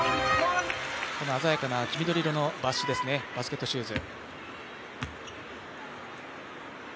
鮮やかな黄緑色のバッシュですね、バスケットシューズ。